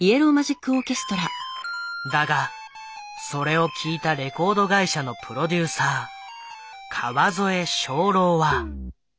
だがそれを聴いたレコード会社のプロデューサー川添象郎は。